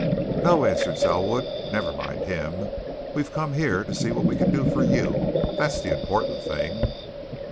"No!" answered Selwood. "But never mind him we've come here to see what we can do for you. That's the important thing."